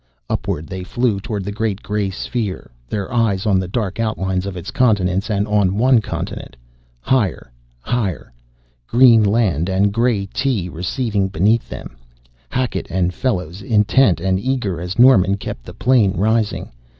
Upward they flew toward the great gray sphere, their eyes on the dark outlines of its continents and on one continent. Higher higher green land and gray tea receding beneath them; Hackett and Fellows intent and eager as Norman kept the plane rising.